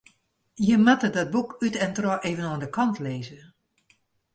Je moatte dat boek út en troch even oan de kant lizze.